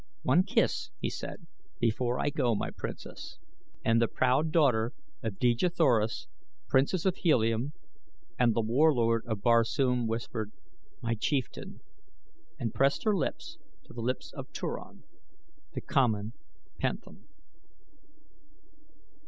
"One kiss," he said, "before I go, my princess," and the proud daughter of Dejah Thoris, Princess of Helium, and The Warlord of Barsoom whispered: "My chieftain!" and pressed her lips to the lips of Turan, the common panthan.